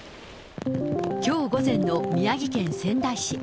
きょう午前の宮城県仙台市。